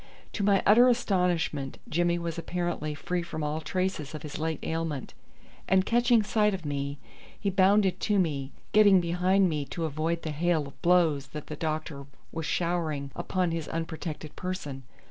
To my utter astonishment Jimmy was apparently free from all traces of his late ailment, and catching sight of me he bounded to me, getting behind me to avoid the hail of blows that the doctor was showering upon his unprotected person.